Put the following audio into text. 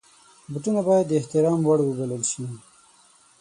بوټونه باید د احترام وړ وبلل شي.